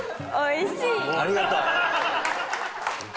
ありがとう！